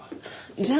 じゃあ。